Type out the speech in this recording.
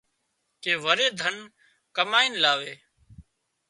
ڪي وري ڌن ڪامئينَ لاوي